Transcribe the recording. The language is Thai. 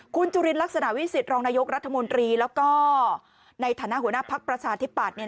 คุณจุลินลักษณะวิสิตรองนายกรัฐมนตรีแล้วก็ในฐานะหัวหน้าภักดิ์ประชาธิปัตย์